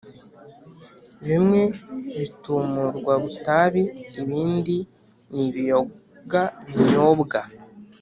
bimwe bitumurwa butabi ,ibindi ni ibiyoga binyobwa